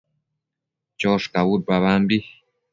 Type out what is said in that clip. choshcabud babampi